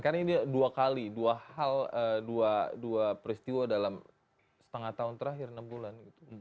karena ini dua kali dua hal dua peristiwa dalam setengah tahun terakhir enam bulan